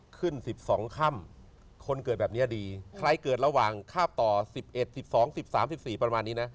ขึ้น๑๒ค่ำคนเกิดแบบนี้ดีใครเกิดระหว่างคาบต่อ๑๑๑๒๑๓๑๔ประมาณนี้นะ